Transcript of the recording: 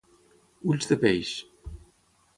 Ulls de peix.